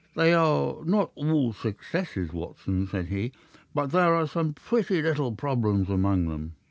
"They are not all successes, Watson," said he. "But there are some pretty little problems among them.